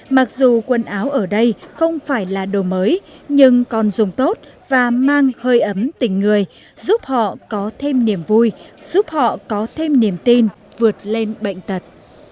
mặc dù quần áo ở đây không phải là đồ mới nhưng còn dùng tốt và mang hơi ấm tình người giúp họ có thêm niềm vui giúp họ có thêm niềm tin vượt lên bệnh tật